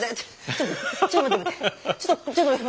ちょっとちょっと待って。